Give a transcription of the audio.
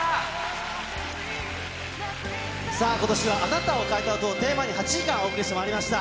さあ、ことしはあなたを変えた音をテーマに８時間、お送りしてまいりました。